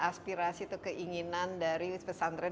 aspirasi atau keinginan dari pesan tren